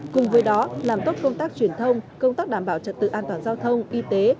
cùng với đó làm tốt công tác truyền thông công tác đảm bảo trật tự an toàn giao thông y tế